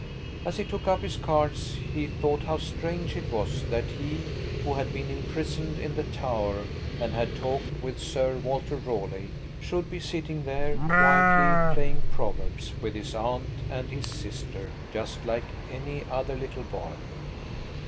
As he took up his cards he thought how strange it was that he, who had been imprisoned in the Tower and had talked with Sir Walter Raleigh, should be sitting there quietly playing Proverbs with his aunt and his sister, just like any other little boy.